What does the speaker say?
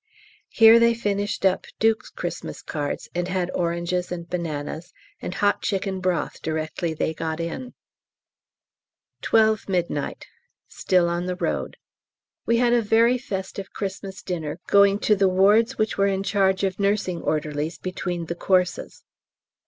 Here they finished up D.'s Xmas cards and had oranges and bananas, and hot chicken broth directly they got in. 12 Midnight. Still on the road. We had a very festive Xmas dinner, going to the wards which were in charge of nursing orderlies between the courses.